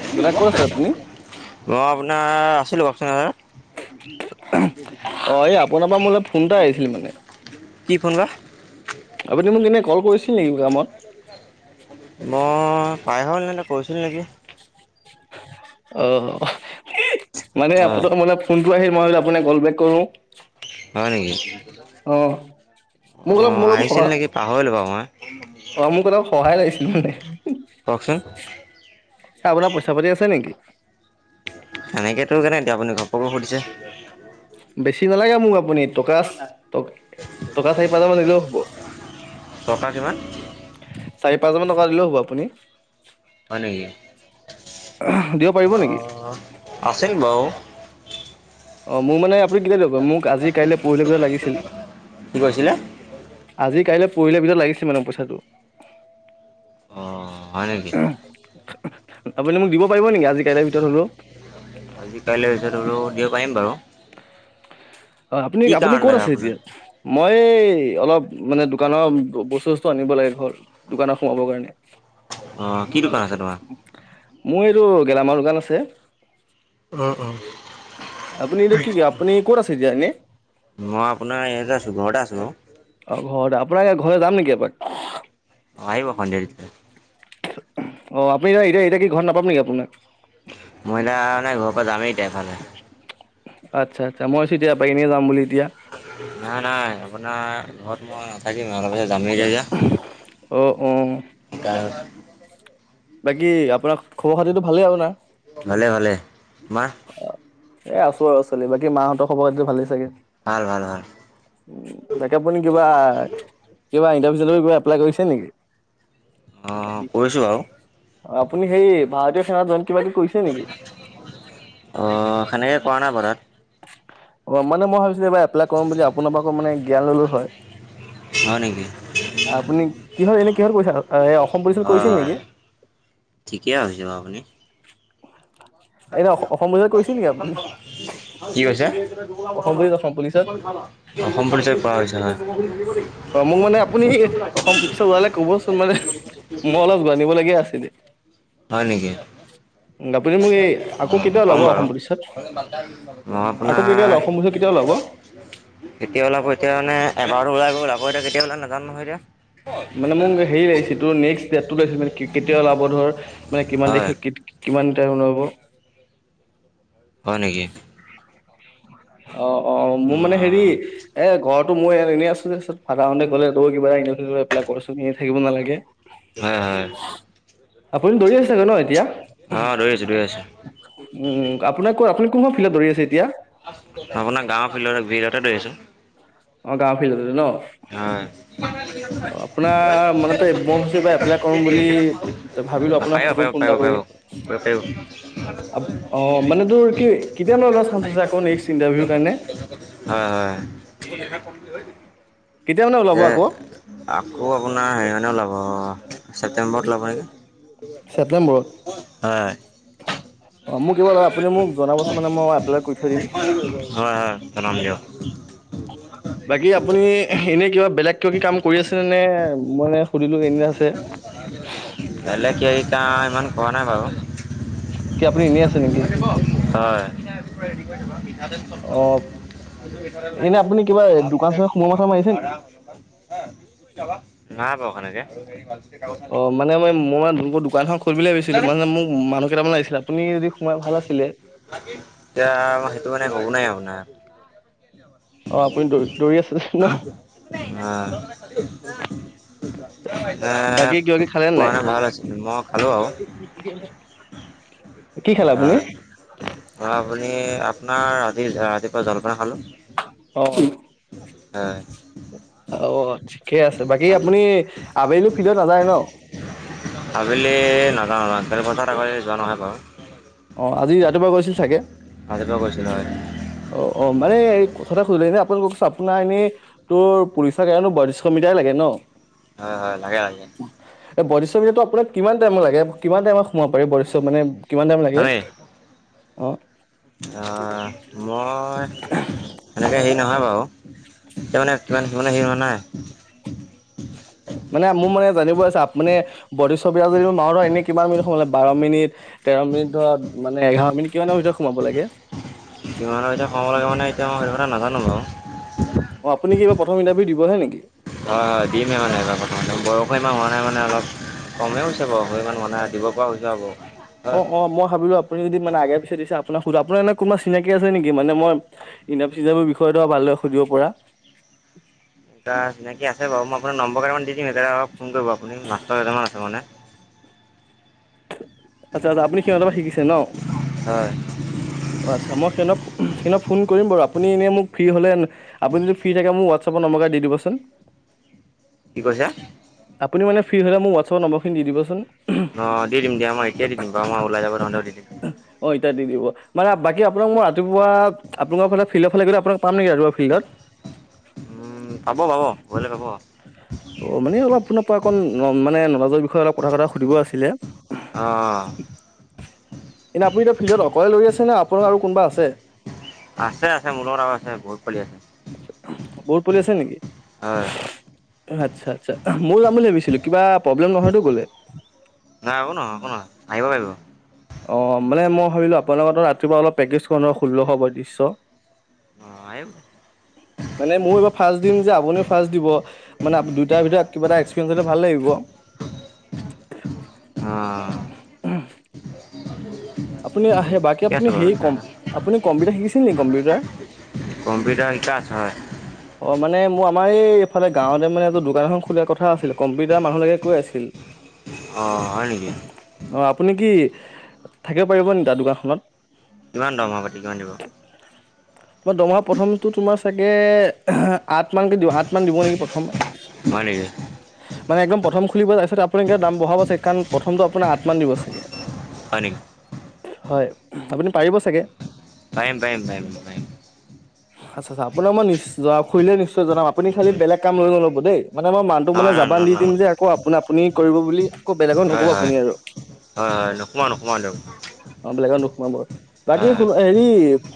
অ মই দাদা ক'ত আছিল আপুনি আপোনাৰ আছিলোঁ কক চুন দাদা। অ এই আপোনাৰ পৰা মোলৈ ফোন এটা আহিছিল মানে। কি ফোন বা। আপুনি মোক ইনে কল কৰিছিল নেকি কামত। [unintelligible] মই [unintelligible] কৰিছিলোঁ নেকি। অ মানে হয় আপোনাক মানে ফোনটো আহিল মই হে আপোনাক কল বেক কৰো। হয় নেকি। অ মোক অলপ অঁ মোক অলপ সা। আহিছিল নেকি পাহৰিলোঁ বাৰু মই অ মোক অলপ সহায় লাগিছিল মানে। কওকচোন আপোনাৰ পইচা পাতি আছে নেকি। সেনেকেতো [unintelligible] আপুনি ঘপক কে সুধিছে। [inaudible] বেছি নালাগে মোক আপুনি টকা, টকা চাৰি পাঁচ হাজাৰ মান দিলেও হ'ব। টকা কিমান? চাৰি পাঁচ হাজাৰমান টকা দিলেও হ'ব আপুনি। হয় নেকি, দিব পাৰিব নেকি অ' আছিল বাও অ' মোৰ মানে আপুনি কেতিয়া দিব মোক আজি কাইলৈ পৰহিলে ভিতৰত লাগিছিল। কি কৈছিলে আজি কাইলৈ পৰহিলে ভিতৰত লাগিছিল মানে পইচাটো। অ' হয় নেকি? আপুনি মোক দিব পাৰিব নেকি আজি কাইলে ভিতৰত হ'লেও। আজি কাইলে ভিতৰত হলেও দিব পাৰিম বাৰু। অ আপুনি কি - আপুনি কাৰণ ক'ত লাগে আছে আপোনাক এতিয়া? মই অলপ মানে দোকানৰ বস্তু সস্তু আনিব লাগে ঘৰ দোকানত সোমাবৰ কাৰণে অ' কি দোকান আছে তোমাৰ? মোৰ এইটো গেলামালৰ দোকান আছে। আপনি এ দে কি আপুনি ক'ত আছে এতিয়া এনে। মই আপোনাৰ ইয়াতে আছোঁ ঘৰতে আছোঁ বাৰু। অ ঘৰতে, আপোনাৰ ঘৰ যাম নেকি এপাক? অ' আহিব সন্ধিয়া তেতিয়াহলে। অ আপুনি এতি-এতিয়া - এতিয়া কি ঘৰত নাপাম নেকি আপোনাক? [unintelligible] ঘৰৰ পৰা যামেই এতিয়া এফালে। আচ্ছা আচ্ছা মই ভাবিছোঁ এতিয়া পাৰি নেকি যাম বুলি এতিয়া। নাই -নাই আপোনাৰ ঘৰত মই থাকিম অ অ [unintelligible] বাকী আপোনাৰ খবৰ খাতিটো ভালেই আৰু ন? ভালে - ভালে, তোমাৰ? অ এ আছো আউ চলি, বাকী মাহঁতৰ খবৰ খাতি ভালেই চাগে? ভাল - ভাল - ভাল উম, বাকী আপুনি কিবা - কিবা ইণ্টাৰভিউ চিনটাৰ্ভিউ কিবা এপ্লাই কৰিছে নেকি? অঁ কৰিছোঁ বাৰু অ' আপুনি সেই ভাৰতীয় সেনাত জইন কিবা কিবি কৰিছিলে নেকি? অ', সেনেকে কৰা নাই বাউ তাত। অ মানে মই ভাবিছিলো এইবাৰ এপ্লাই কৰিম বুলি আপোনাৰ পৰা আকৌ মানে জ্ঞান ললো হয়। হয় নেকি? আপুনি কিহৰ এনে কিহত কৰিছিল এ অসম পুলিচত কৰিছিল নেকি? ঠিকে ভাবিছে বাউ আপুনি। এনে অসম পুলিচত কৰিছিল নেকি আপুনি কি কৈছে? অসম পুলিচ অসম পুলিচত অসম পুলিচৰ [unintelligible] অ', মো মানে আপুনি অসম পুলিচৰ ওলালে ক'বচোন মানে মই অলপ জানিব লগীয়া আছিলে। হয় নেকি? [unintelligible] আকৌ অঁ কেতিয়া ওলাব ক'ম অসম বাৰু পুলিচত, মই আকৌ কেতিয়া আপোনাৰ ওলাব অসম পুলিচত কেতিয়া ওলাব? কেতিয়া ওলাব, এতিয়া মানে এবাৰটো ওলাই গ'ল, আকৌ এতিয়া কেতিয়া ওলাই নাজানো নহয় এতিয়া? মানে মোক হেৰি লাগিছে তোৰ নেক্সট ডটটো লাগিছিল মানে কে কেতিয়া ওলাব ধৰ মানে কিমান হয় তাৰিখে? কিত কিমান টাইম ওলাব? হয় নেকি? অ -অ মোৰ মানে হেৰি অঁ এ ঘৰত ত মই এনে আছো তাছত ফাডাৰ হতে ক'লে তই কিবা ইণ্টাৰভিউ চিনটাৰ্ভিউ এপ্লাই কৰচোন এনে থাকিব নালাগে। হয় - হয় আপুনি দৌৰি আছে গৈ ন এতিয়া? অ', দৌৰি আছোঁ দৈ আছোঁ। উম আপোনাৰ ক আপুনি কোনখন ফিল্ডত দৌৰি আছে এতিয়া? আপোনাৰ গাঁৱৰ ফিল্ডতে বিৰাতে দৌৰিছো অঁ গাঁৱৰ ফিল্ডতে ন হয় অ আপোনাৰ মানে ত মই কৈছো এপ্লাই কৰম বুলি তে ভাবিলো আপোনাক পাৰিব সুধো পাৰিব ফোন পাৰিব এটা পাৰিব পাৰিব কৰি [unintelligible] অপ অ মানে তোৰ কি কেতিয়ানো এটা চাঞ্চ আছে আকৌ নেক্সট ইণ্টাৰভিউৰ কাৰণে হয় হয় কেতিয়া মানে ওলাব যে আকৌ আকৌ আপোনাৰ হেৰি মানে ওলাব ছেপটেম্বৰত ওলাব নেকি ছেপ্টেম্বৰত হয় অ মোক কিবা আপুনি মোক জনাবচোন মানে মই এপ্লাই কৰি থৈ দিম হয় হয় জনাম দিয়ক বাকী আপুনি এনেই কিবা বেলেগ কিবা কি কাম কৰি আছিলে নে মই সুধিলো এনে আছে বেলেগ কিবা কিবি কাম সিমান কৰা নাই বাৰু কি আপুনি এনে আছে নেকি হয় অ এনে আপুনি কিবা দোকান চোকান সোমোৱা মাথা মাৰিছে নেকি [unintelligible] না বাউ সেনেকে এই মো মানে দো দোকানখন খুলিম ভাবিছিলো মানে মোক মানুহ কেইটামান আহিছিলে আপুনি যদি সোমাই ভাল আছিলে এতিয়া সেইটো মানে হ'ব নাই আপোনাৰ। অ' আপুনি দৌৰি দৌৰি আছিলে ন? অ'। এ বাকী কিবা কিবি খালে নে নাই পোৱা হেতেন ভাল আছিল, মই খালো বাও। [unintelligible] আপুনি হয়, আপুনি আপোনাৰ আজি ৰাতিপুৱা জলপান খালো। অ'। হয়। অ' ঠিকে আছে, বাকী আপুনি আবেলি ফিল্ডত নাযায় ন? আবেলি নাযাওঁ আজিকালি বজাৰত [unintelligible] যোৱা নহয় বাৰু। অঁ আজি ৰাতিপুৱা গৈছিলি চাগে? ৰাতিপুৱা গৈছিলো হয়। অ' অ' মানে এই কথাটা সুধিলে আপুনি আপোনাৰ এনেই তোৰ পুলিচৰ কাৰণে বইত্ৰিশ মিটাৰে লাগে ন? হয়, হয়, লাগে, লাগে। এ বইত্ৰিশ মিটাৰটো আপোনাৰ কিমান টাইম লাগে? কিমান টাইমত সোমাব পাৰি বইত্ৰিছশ মানে কিমান টাইম লাগে? অ' আ মই সেনেকে হেৰি নহয় বাও, এতিয়া মানে কিমান [unintelligible] মানে মোৰ মানে জানিব আছে, আপ মানে বইত্ৰিছশ মিটাৰ যদি মই মাৰো, এনে কিমান মিনিট সময় লাগে, বাৰ মিনিট। তেৰ মিনিট, ধৰ মানে এঘাৰ মিনিট কিমানৰ ভিতৰত সোমাব লাগে? কিমানৰ ভিতৰত সোমাব লাগে মানে এতিয়া এইটো কথা মই নাজানো বাও। অ আপুনি কিবা প্ৰথম ইণ্টাৰভিউ দিবহে নেকি? হয়' হয়' দিমে মানে এবাৰ প্ৰথম, বয়সো ইমান হোৱা নাই মানে অলপ। কমেই হৈছে বাৰু, সিমান হোৱা নাই, দিব পৰা হৈছো আৰু। অ' হয় অ' মই ভাবিলো আপুনি যদি মানে আগে পিছে দিছে আপোনাক সুধ, আপোনাৰ এনে কোনোবা চিনাকি আছে নেকি, মানে মই ইণ্টাৰভিউ চিণ্টাৰভিউ বিষয়েটো ধৰা ভালদৰে সুধিব পৰা? এটা চিনাকী আছে বাৰু, মই আপোনাৰ নম্বৰ কেইটামান দিম। দিম এ আকৌ ফোন কৰিব আপুনি, মাষ্টৰ কেইটামান আছে মানে। আচ্ছা, আচ্ছা আপুনি সিহঁতৰ পা শিকিছে ন? হয় অঁ আচ্ছা মই হে‌ঁহেতক সেইদিনা ফোন কৰিম বাৰু, আপুনি এনে মোক ফ্ৰী হ'লে আপুনি যদি ফ্ৰী থাকে মোক হোৱাটছাপত নম্বকগিতা দি দিবচোন। কি কৈছা? আপুনি মানে ফ্ৰী হ'লে মোক হোৱাটছাপৰ নম্বৰখিনি দি দিবাচোন। অ' দি দিম দিয়া, মই এতিয়া দি দিম বাও মই ওলাই যাব নোৱাৰিলেও দি দিম। অ' এতিয়া দি দিব, মানে বাকী আপোনাক মই ৰাতিপুৱা। আপোনালোকৰ ফালে ফিল্ডৰ ফালে গ'লে আপোনাক পাম নেকি, ৰাতিপুৱা ফিল্ডত? উম' পাব, পাব, গলে পাব। অঁ মানে অলপ আপোনাৰ পা অকণ মানে নলাজৰ বিষয়ে অলপ কথা চথা সুধিব আছিলে। অ' অ'। এনে আপুনি এতিয়া ফিল্ডত অকলে দৌৰি আছে নে আপোনি আৰু কোনবা আছে? আছে আছে মোৰ লগত আৰু আছে, বহুত পোৱালি আছে। বহুত পোৱালি আছে নেকি? হয় আচ্ছা, আচ্ছা মইও যাম বুলি ভাবিছিলো, কিবা প্ৰব্লেম নহয়তো গলে। নাই একো নহয়, একো নহয় আহিব পাৰিব। অ মানে মই ভাবিলো আপোনাৰ লগতো ৰাতিপুৱা অলপ প্ৰেকস্তীচ কৰো ন ষোল্লশ বয়ত্ৰিছশ। [unintelligible] মানে মোৰ এইবাৰ ফাৰ্ষ্ট দিম যে আপুনিও ফাৰ্ষ্ট দিব মানে দুইটাৰ ভিতৰত কিবা এটা এক্সপিৰিয়েঞ্চ হ'লে ভাল লাগিব। অ। আপুনি আহে বাকী আপুনি হেৰি কম আপুনি কম্পিউটাৰ শিকিছিল নেকি কম্পিউটাৰ। কম্পিউটাৰ শিকা আছে অ। অ মানে মোৰ আমাৰ এইফালে গাঁৱতে মানে এইটো দোকান এখন খোলাৰ কথা আছিলে। কম্পিউটাৰ মানুহ লাগে কৈ আছিল। অঁ হয় নেকি অ আপুনি কি থাকিব পাৰিব নিকি তাৰ দোকানখনত। কিমান দৰমহাপাতি কিমান দিব। তোমাৰ দমহা প্ৰথমতো তোমাৰ চাগে আঠ মানকে দিওঁ আঠ। আঠ মান দিব নেকি প্ৰথম। হয় নেকি। মানে একদম প্ৰথম খুলিব তাৰপিছত আপোনি একে দাম বহাব চাগে কাৰণ প্ৰথমটো আপোনাক আঠমান দিবা চাগে। হয় নেকি। হয় আপুনি পাৰিব চাগে। পাৰিম, পাৰিম পাৰিম পাৰিম আচ্ছা আচ্ছা আপোনাৰ মই নি শুইলে নিশ্চয় জনাম আপুনি খালি বেলেগ কাম লৈ নলব দেই মানে মই মানুহটোক মানে নহয় নহয় জাবান দি নহয় নহয় দিম যে। ক আপুনা আপুনি কৰিব বুলি। বেলেগত নক'ব হয় হয় আপুনি আৰু হয় হয় নোসোমাওঁ নোসোমাওঁ দিয়ক। অ বেলেগত নোসোমাব বাকী হয় শুন হেৰি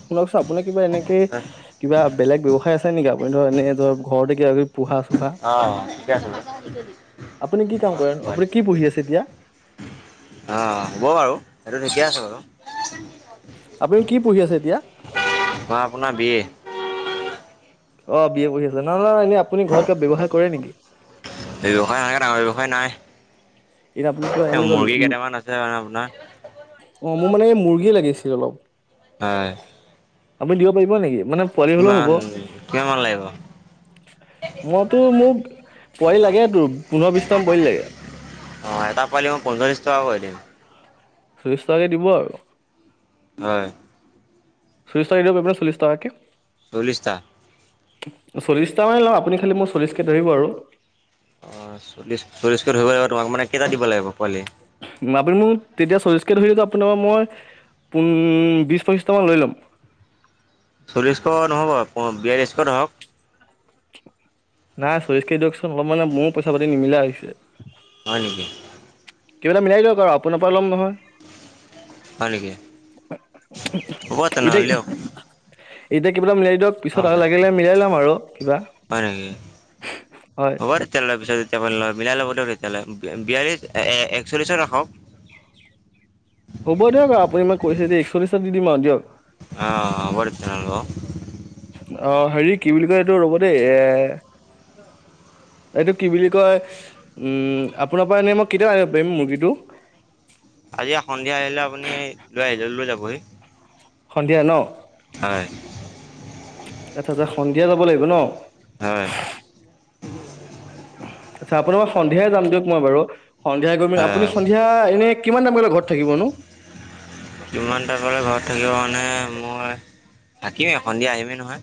শুনকচোন আপোনি কিবা এনেকে হয় কিবা বেলেগ ব্যৱসায় আছে নেকি আপুনি ধ এনে ধৰ ঘৰতে কিবা। পোহা চোহা অঁ ঠিকে আছে বাৰু আপুনি কি কাম কৰেন হয় আপুনি কি পুহি আছে এতিয়া। অঁ হ'ব বাৰু সেইটো ঠিকে আছে বাৰু। আপুনি কি পঢ়ি আছে এতিয়া মই আপোনাৰ বি এ অ বি এ পঢ়ি আছে না এনে আপুনি ঘৰত কিবা ব্যৱহায় কৰে নেকি? ব্যৱসায় সেনেকে ডাঙৰ ব্যৱসায় নাই। এতিয়া আপুনি কিবা এ এনেকুৱা মুৰ্গী কেইটামান আছে মানে আপোনাৰ। অ মোৰ মানে এই মুৰ্গী লাগিছিল অলপ। হয় আপুনি দিব পাৰিব নেকি মানে পোৱালি হ'লেও কিমান হ'ব। কিমানমান লাগিব মইতো মোক পোৱালি লাগে তোৰ পোন্ধৰ বিশটামান পোৱালি লাগে। অ এটা পোৱালি মই পঞ্চল্লিছ টকা কৈ দিম। চল্লিছ টকাকৈ দিব আৰু হয় চল্লিছ টকাকে দিব পাৰিবানে চল্লিছ টকাকে। চল্লিছ টা চল্লিছটা মানেই লম আপুনি খালি মোৰ চল্লিছকৈ ধৰিব আৰু অ চল্লিছ চল্লিছ কৈ ধৰিব লাগিব তোমাক মানে কেইটা দিব লাগিব পোৱালি। আপুনি মোক তেতিয়া চল্লিছকৈ ধৰিলেতো আপোনাৰ পৰা মই পোন বিছ পঁচিছটামান লৈ ল'ম। চল্লিছ টকাকৈ নহ'ব বিয়াল্লিছকৈ ধৰক। নাই চল্লিছকৈ দিয়কচোন অলপ মানে মোৰো পইচা পাতি নিমিলা হৈছে। হয় নেকি কিব এটা মিলাই দিয়ক আৰু আপোনাৰ পৰা ল'ম নহয় হয় নেকি হ'ব তেনেহ'লে এতিয়া দিয়ক এতিয়া কিবা এটা মিলাই দিয়ক পিছত হয় আৰু লাগিলে মিলাই লম আৰু কিবা হয় তেতিয়া লৈ পিছত তেতিয়া মিলাই ল'ব দে তেতিয়ালৈ বিয়াল্লছ এ একচল্লিছত ৰাখক [unintelligible] হ'ব দিয়ক আপুনি ইমান কৈছে যেতিয়া একচল্লিছত দি দিম আৰু দিয়ক অ হ'ব দে তেনেহলে ন অ হেৰি কি বুলি কয় এইটো ৰ'ব দেই এ এইটো কি বুলি কয় আপোনাৰ পৰা এনেই মই কেতিয়া আনিব পাৰিম মুৰ্গীটো আজি সন্ধিয়া আহিলে আপুনি লৈ আহিলে লৈ যাবহি সন্ধিয়া ন হয় এ সন্ধিয়া যাব লাগিব ন হয় আচ্ছা আপোনাৰ সন্ধিয়াই যাম দিয়ক মই বাৰু সন্ধিয়া গৈ আপুনি সন্ধিয়া এনে কিমান টাইম এনে ঘৰত থাকিব নো কিমান টাইমলৈ ঘৰত থাকিবা মানে মই থাকিমেই সন্ধিয়া আহিমেই নহয়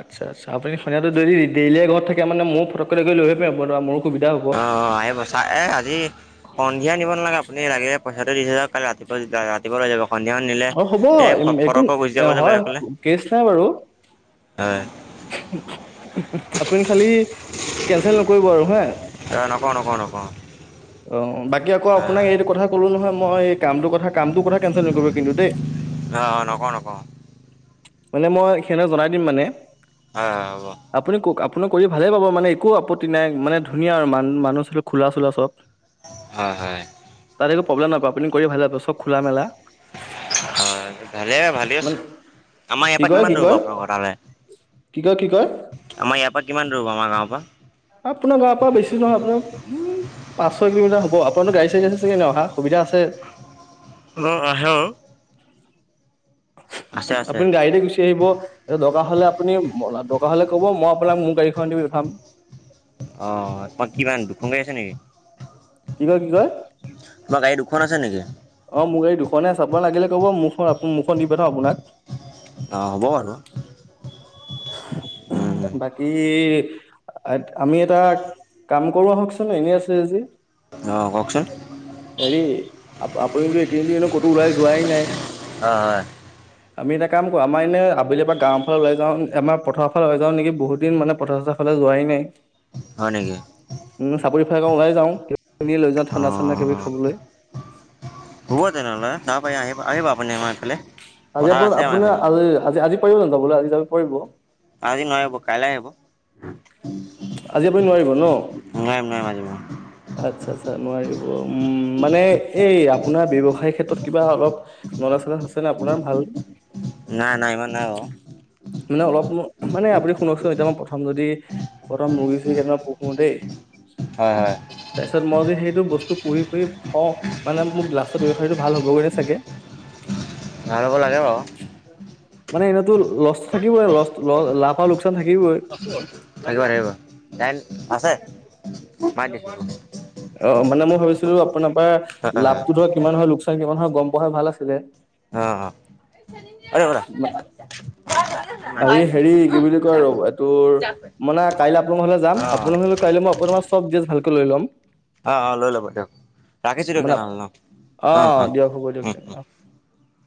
আচ্ছা আচ্ছা আপুনিটো ডেৰিলৈকে ঘৰত থাকে মানে মোৰ ফটকৈ গৈ লৈ আহ পিচে মোক অ আহ বছা এ আজি সন্ধিয়া নিব নালাগে আপুনি লাগিলে পইচাটো দি থৈ যাওঁক ৰাতিপুৱা ৰাতিপুৱা যাব সন্ধিয়া মানে নিলে অ হ'ব এই একো ফটককৈ গুচি যাব যে নহয় বেলেগলে কেচ নাই বাৰু হয় আপুনি খালি কেনচেল নকৰিব আৰু হা অ নকৰো নকৰোঁ নকৰো অ বাকী আকৌ আপোনাক এইটো কথা ক'লো নহয় মই এই কামটো কথা কামটোৰ কথা কেনচেল নকৰিব কিন্তু দেই অ নকওঁ নকওঁ মানে মই সিহঁতক জনাই দিম মানে হয় হয় হব আপুনি কওক আপুনি কৰি ভালেই পাব মানে একো আপত্তি নাই মানে ধুনীয়া আৰু মান মানুহ খোলা চোলা চব হয় হয় তাত একো প্ৰব্লেম নাপায় আপুনি কৰি ভালে পাব চব খোলা মেলা অ ভালে ভালেই মানে আছোঁ আমাৰ ইয়াৰ কি পৰা কয় কি কিমান দৌৰিব কয় আপোনালোকৰ তালে কি কয়, কি কয়? আমাৰ ইয়াৰ পৰা কিমান দূৰ, আমাৰ গাঁৱৰ পৰা? অ আপোনাৰ পৰা বেছি নহয় পাঁছ ছয় কিলমটাৰ হ'ব আপোনাৰো গাড়ী-চাঢ়ী আছে চাগে ন' সুবিধা আছে? অ, আহে আও। আছে আছে আপুনি গাড়িতে গুচি আহিব। এই দৰকাৰ হ'লে আপুনি, দৰকাৰ হ'লে ক'ব মই আপোনাক মোৰ গাড়ীখন দি পঠাম। আহ তোমাক কিমান দুখন গাড়ী আছে নেকি? কি কয়, কি কয়? তোমাৰ গাড়ী দুখন আছে নেকি? অ, মোৰ গাড়ী দুখনে আছে আপোনাক লাগিলে ক'ব মোৰখন মোৰখন দি পঠাও আপোনাক। অঁ', -হ'ব বাৰু, উম-উম। কি, আমি এটা কাম কৰো আহকচোন এনেই আছে যদি। অঁ', কওঁকচোন? হেৰি আপুনিতো এইেকেইদিনতো এনেও ক'তো ওলাই যোৱাই নাই। অ' হয়। আমি এটা কাম কৰোঁ আমাৰ এনেই আবেলিৰ এপাক গাঁওৰ ফালে ওলাই যাওঁ আমাৰ পথাৰ- ফালে ওলাই যাওঁ নেকি বহুত দিন মানে পথাৰ-চথাৰ ফালে যোৱাই নাই। হয় নেকি উম' চাপৰি ফালেকে ওলাই যাওঁ কিবা-কিবি লৈ যাওঁ ঠাণ্ডা-চাণ্ডা কিবা অ', খাবলৈ। হ'ব তেনেহ'লে, চাব পাৰি আহিব-আহিব আপুনি আমাৰ এইফালে আজি পথাৰ আপোনাৰ আছে আমাৰ এইফালে। [unintelligible] পাৰিব জানো আজি যাব পৰিব? আজি নোৱাৰিম আক' কাইলে আহিব। [unintelligible] আজি আপুনি নোৱাৰিব ন'? নোৱাৰিম নোৱাৰিম আজি মই আচ্ছা'-আচ্ছা' নোৱাৰিব, উম' মানে এই আপোনাৰ ব্যৱসায় ক্ষেত্ৰত কিবা অলপ- [unintelligible] আছে নে আপোনাৰ ভাল? নাই-নাই, ইমান নাই বাৰু। মানে অলপ মানে আপুনি শুনকচোন এতিয়া মই প্ৰথম যদি- প্ৰথম মূৰ্গী-ছুৰ্গী কেইটামান পুহো দেই। হয়-হয়। তাৰপিছত মই যদি সেইটো বস্তু পুহি-পুহি থওঁ মানে মোৰ লাষ্টৰ ব্যৱসায়টো ভাল হ'বগে নে চাগে? [unintelligible] ভাল হ'ব লাগে বাৰু। মানে এনেইতো লষ্ট থাকিবই, লষ্ট ল-লাফ আৰু লোকচান থাকিবই। থাকিব-থাকিব, দাইল আছে। মাৰি দিছোঁ অ' মানে মই ভাবিছিলো আপোনাৰ পৰা হয় হয় লাভটো ধৰক কিমান হয়, লোকচান কিমান হয় গম পোৱা হ'লে ভাল আছিলে। অঁ', -অঁ', ৰ'ব দা। আৰে হেৰি [unintelligible] নাই কাইলৈ আপোনাৰ ঘৰলে যাম, আপোনাৰ ঘৰলে কাইলে আপোনাৰ পৰা চব দিটেলজ ভালকে লৈ ল'ম। অঁ', -অঁ', -লৈ ল'ব দিয়ক, ৰাখিছোঁ দিয়ক মানে তেনেহ'লে ন'। অ অঁ', -অঁ', দিয়ক হ'ব দিয়ক তেনে -উম-উম। অ